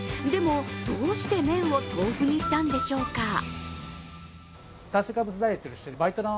でも、どうして麺を豆腐にしたんでしょうか？